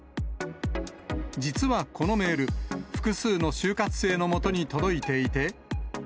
実はこのメール、複数の就活生のもとに届いていて。